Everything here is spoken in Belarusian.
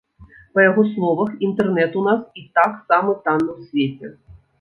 Па яго словах, інтэрнэт у нас і так самы танны ў свеце.